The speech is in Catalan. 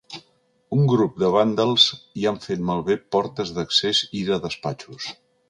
Un grup de vàndals hi han fet malbé portes d’accés i de despatxos.